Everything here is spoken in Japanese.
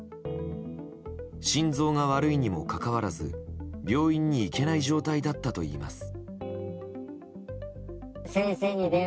心臓が悪いにもかかわらず病院に行けない状態だったといいます。